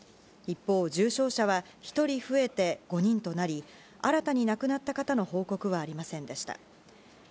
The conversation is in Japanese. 一方、重症者は１人増えて５人となり新たに亡くなった方の報告はありませんでした。